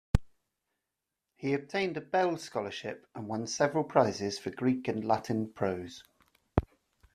He obtained a Bell scholarship and won several prizes for Greek and Latin prose.